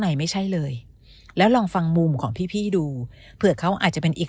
ในไม่ใช่เลยแล้วลองฟังมุมของพี่พี่ดูเผื่อเขาอาจจะเป็นอีก